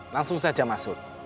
langsung saja masuk